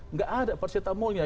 enggak ada paracetamolnya